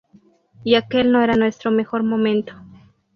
Y aquel no era nuestro mejor momento.